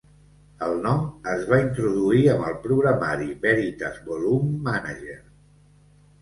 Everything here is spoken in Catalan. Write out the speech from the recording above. El nom es va introduir amb el programari Veritas Volume Manager.